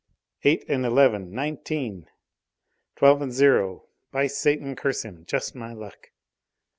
"Eight and eleven nineteen!" "Twelve and zero! By Satan! Curse him! Just my luck!"